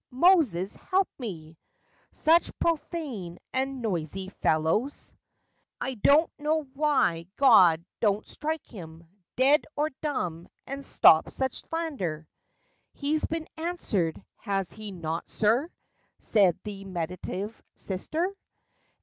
Moses, help me !' Such profane and noisy fellows— 30 FACTS AND FANCIES. I do n't know why God do n't strike him Dead, or dumb, and stop such slander !" "He's been answered, has he not, sir?" Said the meditative sister.